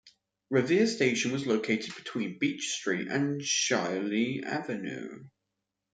Revere station was located between Beach Street and Shirley Avenue.